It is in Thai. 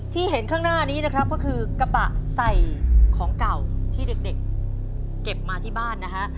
เห็นข้างหน้านี้นะครับก็คือกระบะใส่ของเก่าที่เด็กเก็บมาที่บ้านนะฮะ